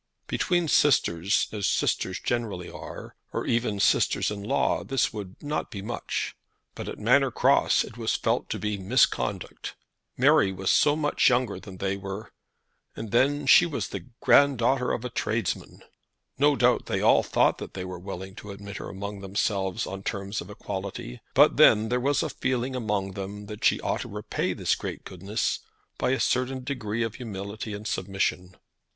Between sisters as sisters generally are, or even sisters in laws, this would not be much; but at Manor Cross it was felt to be misconduct. Mary was so much younger than they were! And then she was the grand daughter of a tradesman! No doubt they all thought that they were willing to admit her among themselves on terms of equality; but then there was a feeling among them that she ought to repay this great goodness by a certain degree of humility and submission.